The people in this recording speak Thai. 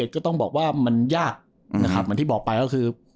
ก็ต้องบอกว่ามันยากนะครับเหมือนที่บอกไปก็คือ